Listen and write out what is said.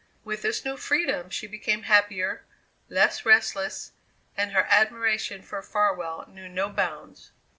With this new freedom she became happier, less restless, and her admiration for Farwell knew no bounds.